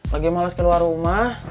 lagi males keluar rumah